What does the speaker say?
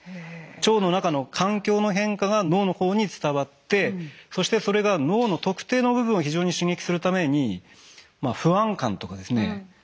腸の中の環境の変化が脳の方に伝わってそしてそれが脳の特定の部分を非常に刺激するためにまあ不安感とかですね